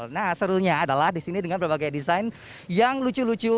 nah serunya adalah di sini dengan berbagai desain yang lucu lucu